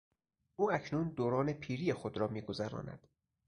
او اکنون دوران پیری خود را میگذراند.